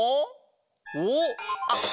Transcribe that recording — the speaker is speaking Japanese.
おおあっ